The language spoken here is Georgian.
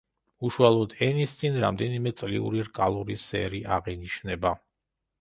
უშუალოდ ენის წინ რამდენიმე წლიური რკალური სერი აღინიშნება.